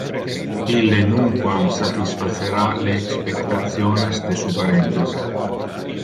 Ille nunquam satisfacera le expectationes de su parentes.